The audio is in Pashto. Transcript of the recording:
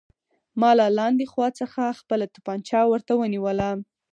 ما له لاندې خوا څخه خپله توپانچه ورته ونیوله